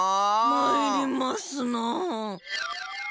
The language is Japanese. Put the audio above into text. まいりますなあ。